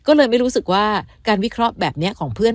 ก็เลยไม่รู้สึกว่าการวิเคราะห์แบบนี้ของเพื่อน